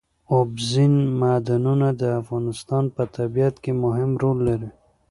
اوبزین معدنونه د افغانستان په طبیعت کې مهم رول لري.